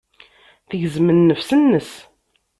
Tegzem nnefs-nnes.